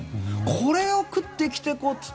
これを食って生きていこうっていって